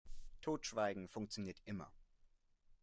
Totschweigen funktioniert immer.